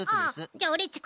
じゃあオレっち